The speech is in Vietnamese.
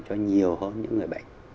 cho nhiều hơn những người bệnh